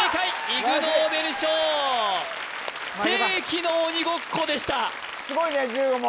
イグ・ノーベル賞負けた世紀の鬼ごっこでしたすごいね１５問